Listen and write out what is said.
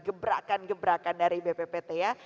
gebrakan gebrakan dari bppt ya